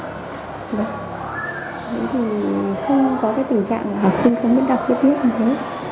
vậy thì không có cái tình trạng học sinh không biết đọc biết viết như thế